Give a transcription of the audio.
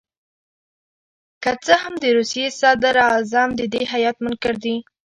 که څه هم د روسیې صدراعظم د دې هیات منکر دي.